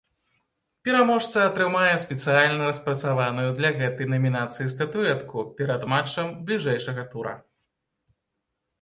Пераможца атрымае спецыяльна распрацаваную для гэтай намінацыі статуэтку перад матчам бліжэйшага тура.